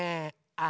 あ！